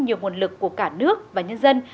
nhiều nguồn lực của cả nước và nhân dân